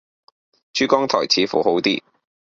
珠江台似乎好啲